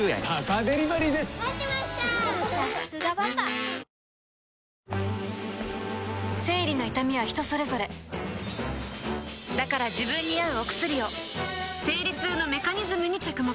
新「グリーンズフリー」生理の痛みは人それぞれだから自分に合うお薬を生理痛のメカニズムに着目